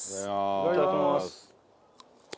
いただきます。